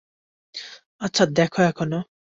আচ্ছা, দ্যাখো এখানে!